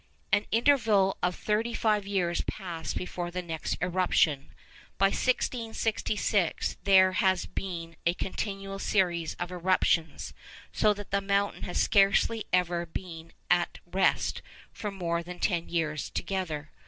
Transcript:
An interval of thirty five years passed before the next eruption. But since 1666 there has been a continual series of eruptions, so that the mountain has scarcely ever been at rest for more than ten years together.